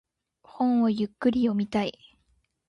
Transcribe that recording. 本をゆっくり読みたい。